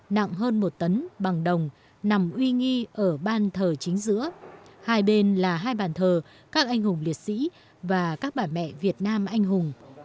nặng hơn một tấn bằng đồng nằm uy nghi ở ban thờ chính giữa hai bên là hai bàn thờ các anh hùng liệt sĩ và các bà mẹ việt nam anh hùng